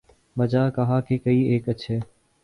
'بجا کہا کہ کئی ایک اچھے